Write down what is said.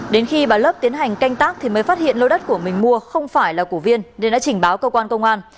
đến khi bà lớp tiến hành canh tác thì mới phát hiện lô đất của mình mua không phải là cổ viên nên đã trình báo cơ quan công an